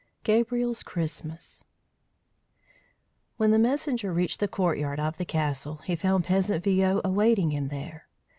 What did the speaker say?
GABRIEL'S CHRISTMAS WHEN the messenger reached the courtyard of the castle, he found peasant Viaud awaiting him there.